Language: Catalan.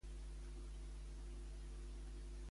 La final de la copa d'Europa ahir a la nit saps com va acabar?